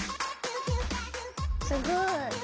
すごい。